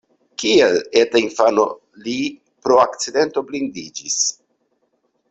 Kiel eta infano li pro akcidento blindiĝis.